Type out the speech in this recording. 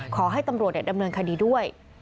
ขอให้ตำรวจดำเนินคดีด้วย